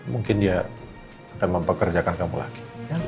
mungkin dia akan mempekerjakan kamu lagi